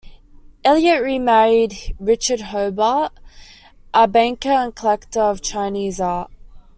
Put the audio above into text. Elliott remarried Richard Hobart, a banker and collector of Chinese art.